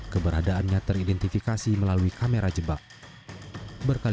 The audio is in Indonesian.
kaki depannya membengkak tak bisa berjalan